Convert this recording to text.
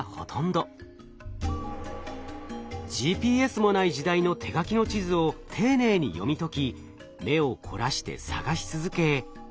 ＧＰＳもない時代の手書きの地図を丁寧に読み解き目を凝らして探し続け。